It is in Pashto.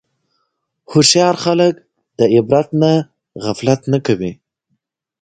هوښیار خلک د عبرت نه غفلت نه کوي.